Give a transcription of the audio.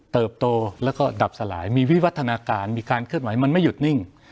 เติบโตแล้วก็ดับสลายมีวิวัฒนาการมีการเคลื่อนไหวมันไม่หยุดนิ่ง